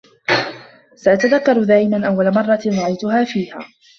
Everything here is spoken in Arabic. سأتذكر دائما أول مرة رأيتها فيها.